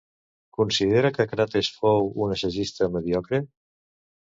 Considera que Crates fou un assagista mediocre?